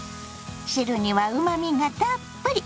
汁にはうまみがたっぷり。